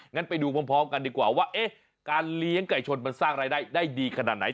งั้นไปดูพร้อมกันดีกว่าว่าเอ๊ะการเลี้ยงไก่ชนมันสร้างรายได้ได้ดีขนาดไหน